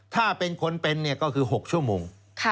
ถ้าเป็นคนเป็นก็คือ๖ชั่วโมง